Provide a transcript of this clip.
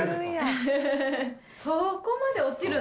そこまで落ちるの？